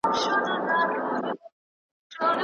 کورني تولیدات وپیرئ.